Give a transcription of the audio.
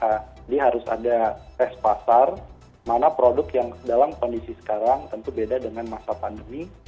jadi harus ada tes pasar mana produk yang dalam kondisi sekarang tentu beda dengan masa pandemi